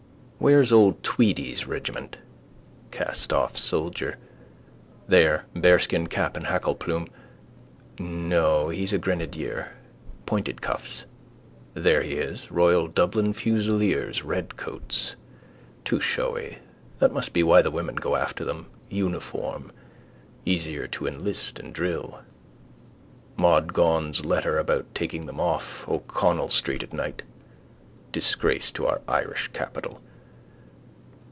Where's old Tweedy's regiment? Castoff soldier. There: bearskin cap and hackle plume. No, he's a grenadier. Pointed cuffs. There he is: royal Dublin fusiliers. Redcoats. Too showy. That must be why the women go after them. Uniform. Easier to enlist and drill. Maud Gonne's letter about taking them off O'Connell street at night: disgrace to our Irish capital.